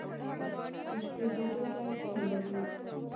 د شپې ډوډۍ باید څنګه وي؟